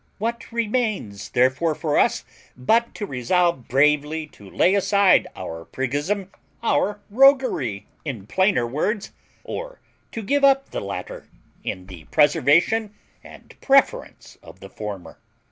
What remains, therefore, for us but to resolve bravely to lay aside our priggism, our roguery, in plainer words, and preserve our liberty, or to give up the latter in the preservation and preference of the former?"